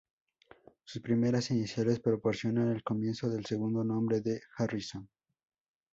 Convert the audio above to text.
Sus primeras iniciales proporcionan el comienzo del segundo nombre de Harrison.